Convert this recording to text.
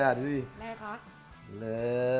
อะไรคะ